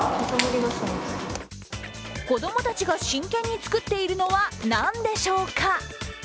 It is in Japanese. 子供たちが真剣に作っているのは何でしょうか？